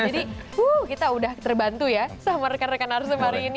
jadi kita udah terbantu ya sama rekan rekan arsha hari ini